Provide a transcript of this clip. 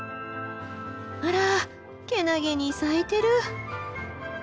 あらけなげに咲いてる。